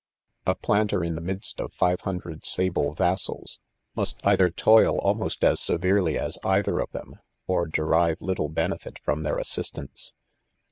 * A planter in the midst of five hundred sable vassals, must either toil almost as. severely as either" of them, or derive little benefit from their assistance.